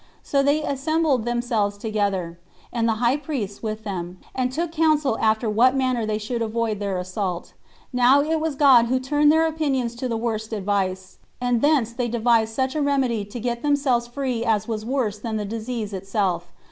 So they assembled themselves together, and the high priests with them, and took counsel after what manner they should avoid their assault. Now it was God who turned their opinions to the worst advice, and thence they devised such a remedy to get themselves free as was worse than the disease itself.